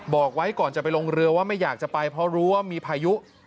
บอกไว้ก่อนจะไปลงเรือว่าไม่อยากจะไปเพราะรู้ว่ามีพายุ